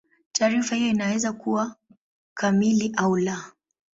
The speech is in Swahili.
Taarifa hiyo inaweza kuwa kamili au la.